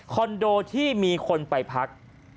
โดที่มีคนไปพัก